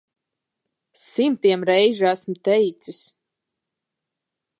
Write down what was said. Simtiem reižu esmu teicis.